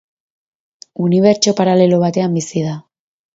Unibertso paralelo batean bizi da.